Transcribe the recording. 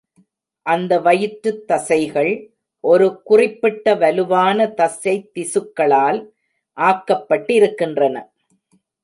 அந்த வயிற்றுத் தசைகள் ஒரு குறிப்பிட்ட வலுவான தசைத்திசுக்களால் ஆக்கப்பட்டிருக்கின்றன.